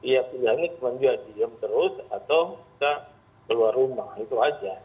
ya pilihannya kemanjuan diam terus atau kita keluar rumah itu aja